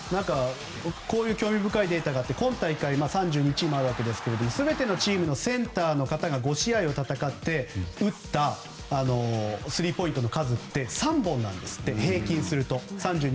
こういう興味深いデータがあって、今大会３２チームがありますが全てのチームのセンターの方が５試合戦って打ったスリーポイントの数は３本なんです、平均すると。